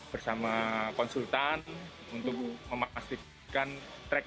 bersama konsultan untuk memastikan track